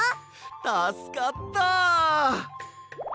たすかった！